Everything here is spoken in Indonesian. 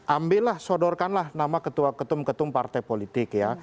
ambillah sodorkanlah nama ketua ketum ketum partai politik ya